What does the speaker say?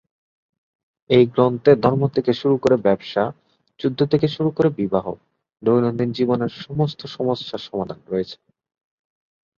এই গ্রন্থে ধর্ম থেকে শুরু করে ব্যবসা, যুদ্ধ থেকে শুরু করে বিবাহ, দৈনন্দিন জীবনের সমস্ত সমস্যার সমাধান রয়েছে।